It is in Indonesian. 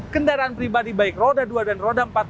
kendaraan pribadi baik roda dua dan roda empat